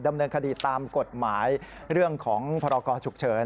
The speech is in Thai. ดำเนินคดีตามกฎหมายเรื่องของพรกรฉุกเฉิน